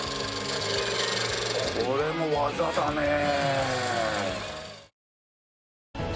これも技だねえ。